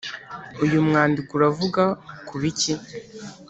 Uyu mwandiko uravuga ku biki?